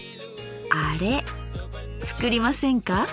あれつくりませんか？